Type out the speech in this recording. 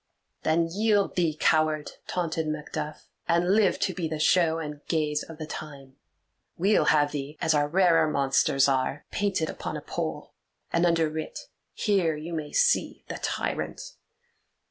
"Then yield thee, coward!" taunted Macduff, "and live to be the show and gaze of the time; we'll have thee, as our rarer monsters are, painted upon a pole, and underwrit, 'Here you may see the tyrant.